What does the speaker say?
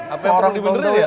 apanya orang di beneran ya